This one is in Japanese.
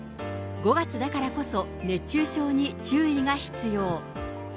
５月だからこそ、熱中症に注意が必要。